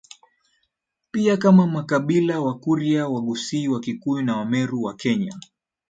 Pia kama makabila Wakurya Waghusii Wakikuyu na Wameru wa Kenya